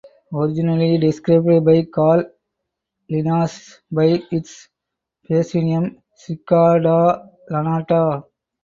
Originally described by Carl Linnaeus by its basionym "Cicada lanata".